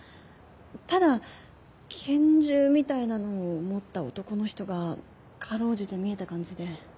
ただ拳銃みたいなのを持った男の人が辛うじて見えた感じで。